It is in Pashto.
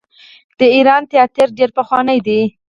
د ایران تیاتر ډیر پخوانی دی.